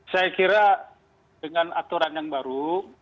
saya kira dengan aturan yang baru